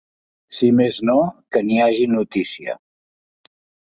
Si més no, que n’hi hagi notícia.